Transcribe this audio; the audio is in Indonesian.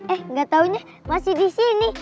eh gak taunya masih di sini